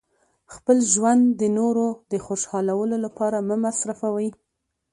خپل ژوند د نورو د خوشحالولو لپاره مه مصرفوئ.